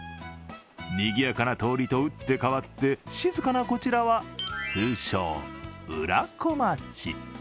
にぎやかな通りとうってかわって静かなこちらは、通称・裏小町。